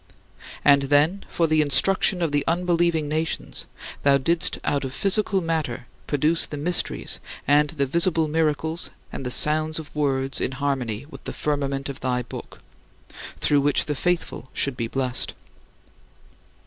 And then, for the instruction of the unbelieving nations, thou didst out of physical matter produce the mysteries and the visible miracles and the sounds of words in harmony with the firmament of thy Book, through which the faithful should be blessed.